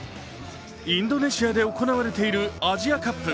インドネシアで行われているアジアカップ。